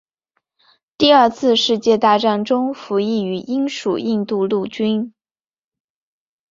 第二次世界大战中服役于英属印度陆军。